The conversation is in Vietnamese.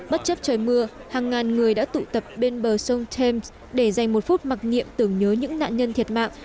bất chấp trời mưa hàng ngàn người đã tụ tập bên bờ sông tems để dành một phút mặc niệm tưởng nhớ những nạn nhân thiệt mạng